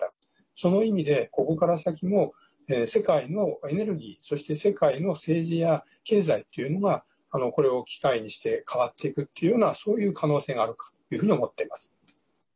その意味で、ここから先も世界のエネルギー、そして世界の政治や経済というのがこれを機会にして変わっていくっていうようなそういう可能性があるかというふうに思っています。